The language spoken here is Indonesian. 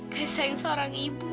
kesayang seorang ibu